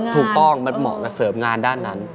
ถูกต้องมันเหมาะกับเสริมงานด้านนั้น